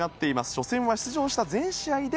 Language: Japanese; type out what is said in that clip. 初戦は出場した全試合で